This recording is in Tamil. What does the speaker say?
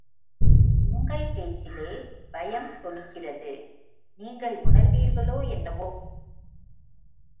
உங்கள் பேச்சிலே பயம் தொனிக்கிறது, நீங்கள் உணர்வீர்களோ, என்னவோ?